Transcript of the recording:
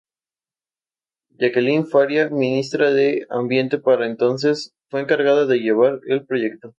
Jacqueline Faría, ministra de ambiente para entonces, fue encargada de llevar el proyecto.